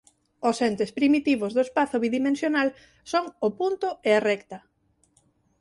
Os entes primitivos do espazo bidimensional son o punto e a recta.